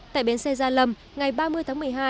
tại bến xe gia lâm ngày ba mươi tháng một mươi hai